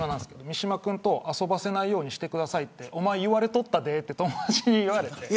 三嶋君と遊ばせないようにしてくださいって言われとったでって友達に言われて。